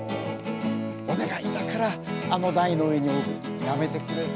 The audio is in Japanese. お願いだからあの台の上に置くのやめてくれる？